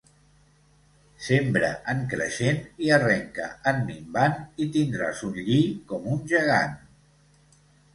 Sembra en creixent i arrenca en minvant i tindràs un lli com un gegant.